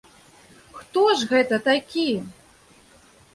Хто ж гэта такі?